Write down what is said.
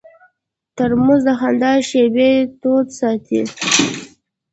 ترموز د خندا شېبې تود ساتي.